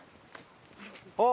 あっ！